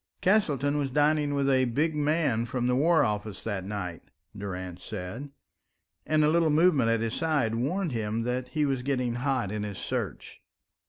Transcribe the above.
"Castleton was dining with a big man from the War Office that night," Durrance said, and a little movement at his side warned him that he was getting hot in his search.